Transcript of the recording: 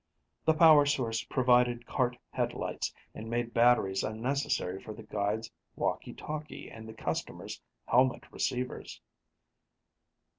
The power source provided cart headlights, and made batteries unnecessary for the guide's walkie talkie and the customers' helmet receivers.